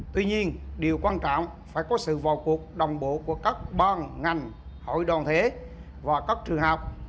tuy nhiên điều quan trọng phải có sự vào cuộc đồng bộ của các ban ngành hội đoàn thể và các trường học